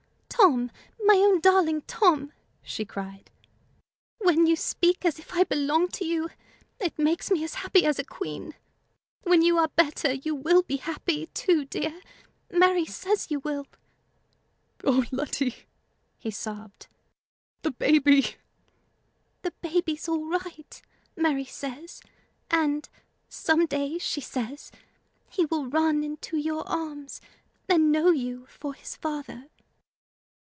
"Tom! my own darling Tom!" she cried, "when you speak as if I belonged to you, it makes me as happy as a queen. When you are better, you will be happy, too, dear. Mary says you will." "O Letty!" he sobbed "the baby!" "The baby's all right, Mary says; and, some day, she says, he will run into your arms, and know you for his father."